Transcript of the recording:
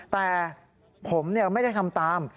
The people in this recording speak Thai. แต่ผมไม่ได้ทำตาม